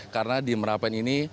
karena di merapen ini